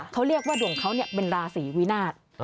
เขาเรียกว่าดวงเขาเป็นราศีวินาศ